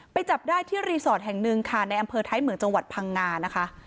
จับได้ที่รีสอร์ทแห่งหนึ่งค่ะในอำเภอท้ายเหมืองจังหวัดพังงานะคะ